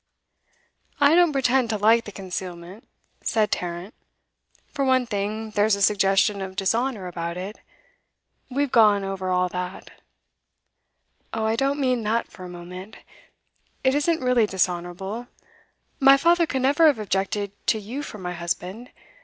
'I don't pretend to like the concealment,' said Tarrant. 'For one thing, there's a suggestion of dishonour about it. We've gone over all that ' 'Oh, I don't mean that for a moment. It isn't really dishonourable. My father could never have objected to you for my husband.